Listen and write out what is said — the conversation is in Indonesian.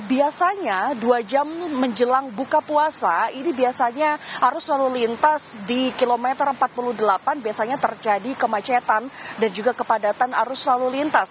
biasanya dua jam menjelang buka puasa ini biasanya arus lalu lintas di kilometer empat puluh delapan biasanya terjadi kemacetan dan juga kepadatan arus lalu lintas